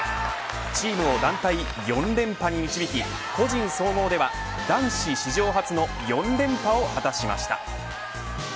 チームを団体４連覇に導き個人総合では男子史上初の４連覇を果たしました。